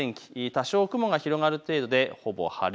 多少雲が広がる程度でほぼ晴れ。